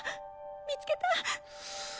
見つけた？